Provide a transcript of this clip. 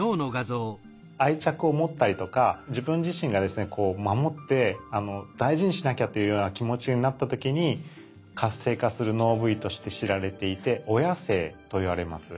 愛着を持ったりとか自分自身がですね守って大事にしなきゃというような気持ちになった時に活性化する脳部位として知られていて「親性」といわれます。